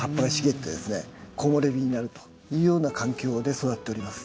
木漏れ日になるというような環境で育っております。